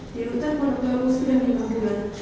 di lutar kondang baru sudah lima bulan